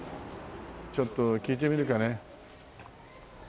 ちょっと聞いてみるかね。